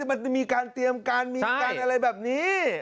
มันมีการเตรียมการมีการอะไรแบบนี้